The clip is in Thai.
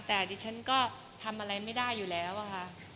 แต่ดิฉันก็ทำอะไรไม่ได้อยู่แล้วอะค่ะ